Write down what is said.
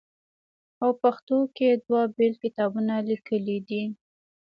او پښتو کښې دوه بيل کتابونه ليکلي دي